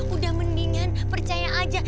udah mendingan percaya aja